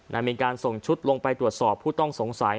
มีการส่งชุดลงไปตรวจสอบผู้ต้องสงสัย